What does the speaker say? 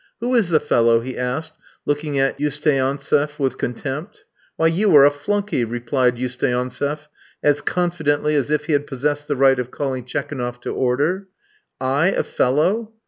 "Who is the fellow?" he asked, looking at Usteantseff, with contempt. "Why, you are a flunkey," replied Usteantseff, as confidently as if he had possessed the right of calling Tchekounoff to order. "I a fellow?"